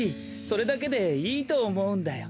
それだけでいいとおもうんだよ。